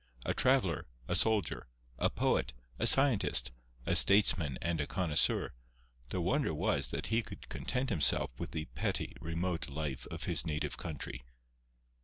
A traveller, a soldier, a poet, a scientist, a statesman and a connoisseur—the wonder was that he could content himself with the petty, remote life of his native country.